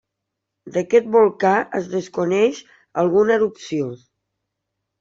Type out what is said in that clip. D'aquest volcà es desconeix alguna erupció.